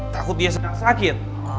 takut dia sedang sakit